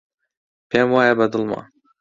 پێم وایە بەدڵمە.